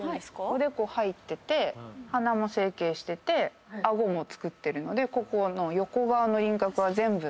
おでこ入ってて鼻も整形してて顎もつくってるのでここの横側の輪郭は全部。